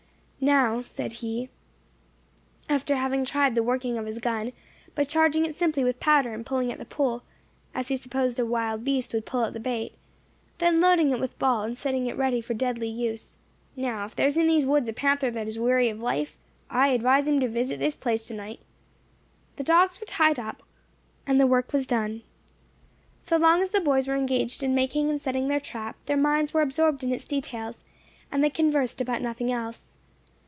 "Now," said he, after having tried the working of his gun, by charging it simply with powder and pulling at the pole, as he supposed a wild beast would pull at the bait, then loading it with ball and setting it ready for deadly use "Now, if there is in these woods a panther that is weary of life, I advise him to visit this place to night." The dogs were tied up, and the work was done. So long as the boys were engaged in making and setting their trap their minds were absorbed in its details, and they conversed about nothing else.